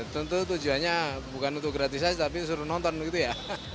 tentu tujuannya bukan untuk gratis saja tapi suruh nonton gitu ya